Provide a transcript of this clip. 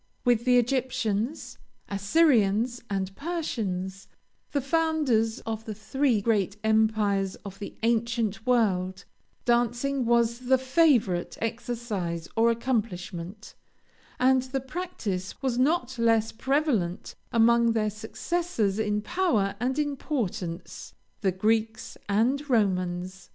With the Egyptians, Assyrians, and Persians, the founders of the three great empires of the ancient world, dancing was the favorite exercise or accomplishment, and the practice was not less prevalent among their successors in power and importance, the Greeks and Romans.